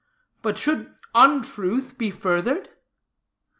But should untruth be furthered?